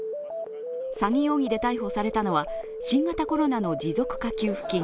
詐欺容疑で逮捕されたのは新型コロナの持続化給付金